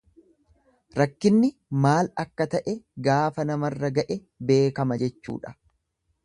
Rakkinni maal akka ta'e gaafa namarra ga'e beekama jechuudha.